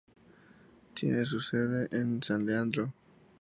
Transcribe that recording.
Tiene su sede en San Leandro.